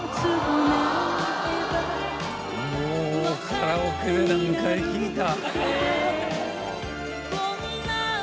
もうカラオケで何回聴いた。